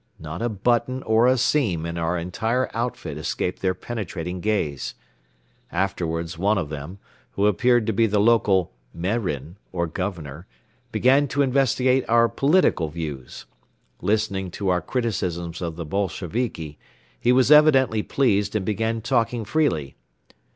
Not a button or a seam in our entire outfit escaped their penetrating gaze. Afterwards one of them, who appeared to be the local "Merin" or governor, began to investigate our political views. Listening to our criticisms of the Bolsheviki, he was evidently pleased and began talking freely.